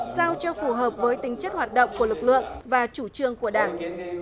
sao cho phù hợp với tính chất hoạt động của lực lượng và chủ trương của đảng